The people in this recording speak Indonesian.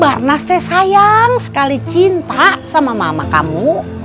barnas teh sayang sekali cinta sama mama kamu